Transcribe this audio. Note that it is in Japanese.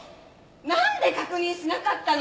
なんで確認しなかったの？